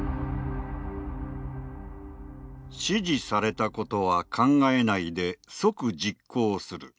指示されたことは考えないで即実行する。